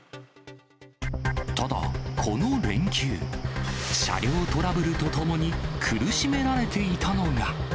ただ、この連休、車両トラブルとともに、苦しめられていたのが。